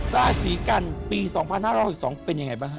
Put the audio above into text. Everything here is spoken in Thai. ราศีกันปี๒๕๖๒เป็นยังไงบ้างฮะ